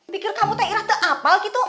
pikir kamu teh ira teapal gitu